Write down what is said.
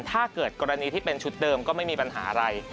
ถ้าเกิดกรณีที่เป็นชุดเดิมก็ไม่มีปัญหาอะไร